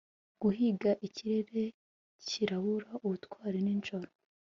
guhiga ikirere cyirabura, ubutwari nijoro